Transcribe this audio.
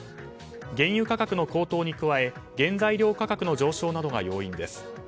原油価格の高騰に加え原材料価格の上昇などが要因です。